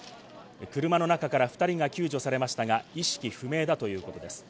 車の中から２人が救助されましたが意識不明だということです。